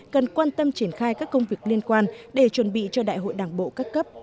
cần quan tâm triển khai các công việc liên quan để chuẩn bị cho đại hội đảng bộ các cấp